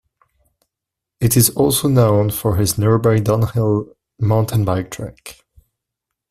It is also known for its nearby downhill mountain bike track.